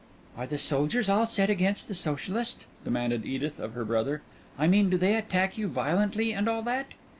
"Are the soldiers all set against the Socialists?" demanded Edith of her brother. "I mean do they attack you violently and all that?"